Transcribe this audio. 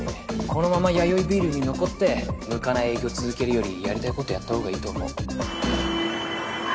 このまま弥生ビールに残って向かない営業続けるよりやりたい事やったほうがいいと思う。